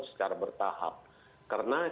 secara bertahap karena